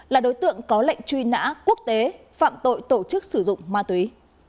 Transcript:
là đối tượng có lệnh truy nã quốc tế phạm tội tổ chức sử dụng ma túy